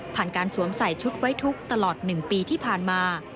ผ่านการสวมใส่ชุดไว้ทุกข์ตลอดหนึ่งปีที่ผ่านมา